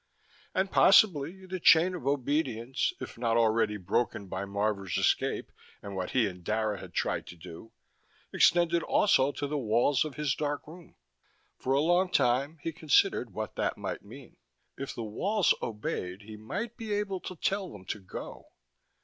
And, possibly, the chain of obedience, if not already broken by Marvor's escape and what he and Dara had tried to do, extended also to the walls of his dark room. For a long time he considered what that might mean. If the walls obeyed, he might be able to tell them to go.